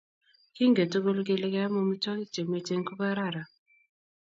kinget tugul kele keam omitwogik chemiachen ko kararan